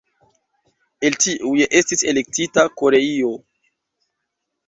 El tiuj estis elektita Koreio.